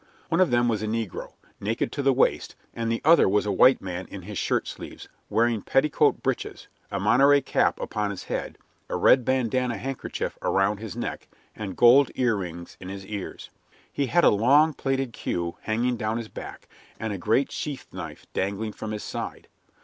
One of them was a negro, naked to the waist, and the other was a white man in his shirt sleeves, wearing petticoat breeches, a Monterey cap upon his head, a red bandanna handkerchief around his neck, and gold earrings in his ears. He had a long, plaited queue hanging down his back, and a great sheath knife dangling from his side.